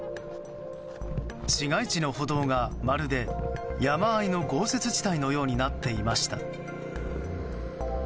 市街地の歩道が、まるで山あいの豪雪地帯のようになっていました。